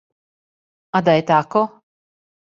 А да је тако?